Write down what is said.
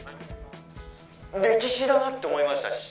歴史だなって思いました。